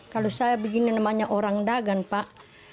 kalau saya begini namanya orang dagang pak